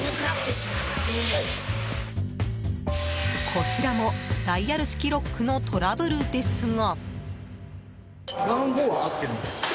こちらも、ダイヤル式ロックのトラブルですが。